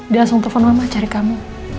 dia langsung telepon mama cari kamu